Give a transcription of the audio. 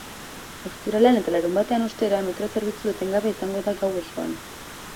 Ostiralean eta larunbatean, ostera, metro zerbitzu etengabea izango da gau osoan.